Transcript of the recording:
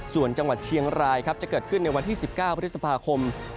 ส่วนจังหวัดเชียงรายจะเกิดขึ้นในวันที่๑๙พฤษภาคม